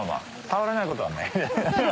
触れないことはない。